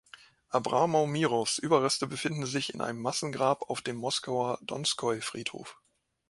Abramow-Mirows Überreste befinden sich in einem Massengrab auf dem Moskauer Donskoi-Friedhof.